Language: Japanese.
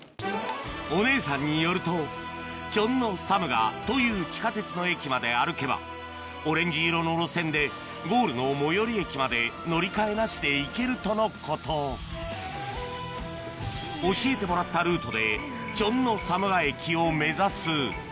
お姉さんによるとチョンノサムガという地下鉄の駅まで歩けばオレンジ色の路線でゴールの最寄り駅まで乗り換えなしで行けるとのこと教えてもらったルートでと！